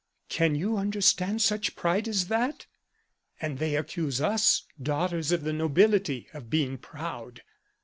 "Can you understand such pride as that? And they accuse us, daughters of the nobility, of being proud!"